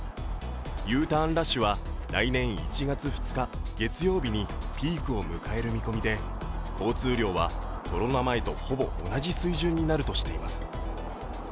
Ｕターンラッシュは来年１月２日月曜日にピークを迎える見込みで交通量はコロナ前とほぼ同じ水準になるとしています。